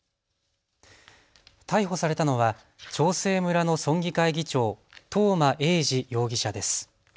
逮捕されたのは長生村の村議会議長、東間永次容疑者です。